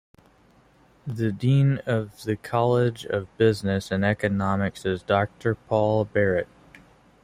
The Dean of the College of Business and Economics is Doctor Paul Barrett.